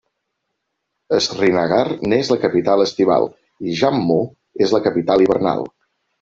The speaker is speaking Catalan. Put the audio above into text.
Srinagar n'és la capital estival, i Jammu és la capital hivernal.